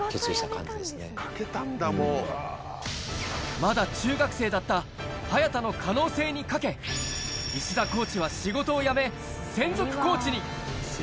まだ中学生だった早田の可能性にかけ、石田コーチは仕事を辞め、専属コーチに。